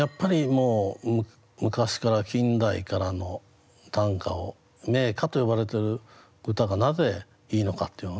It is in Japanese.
もう昔から近代からの短歌を名歌と呼ばれてる歌がなぜいいのかっていうのをね